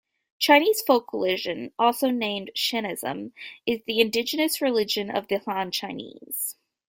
Chinese folk religion, also named Shenism, is the indigenous religion of the Han Chinese.